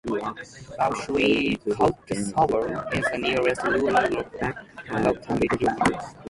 Bolshoye Koltsovo is the nearest rural locality.